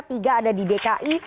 tiga ada di dki